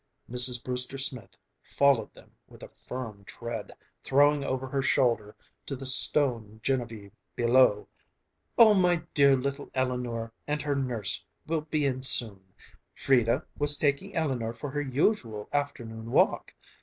Mrs. Brewster Smith followed them with a firm tread, throwing over her shoulder to the stone Genevieve below, "Oh, my dear, little Eleanor and her nurse will be in soon. Frieda was taking Eleanor for her usual afternoon walk.